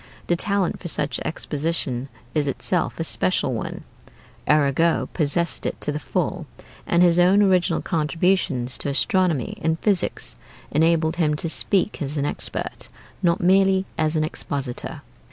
The talent for such exposition is itself a special one. Arago possessed it to the full, and his own original contributions to astronomy and physics enabled him to speak as an expert, not merely as an expositor.